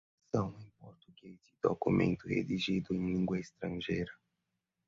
versão em português de documento redigido em língua estrangeira